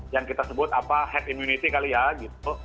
yang kita sebut apa head immunity kali ya gitu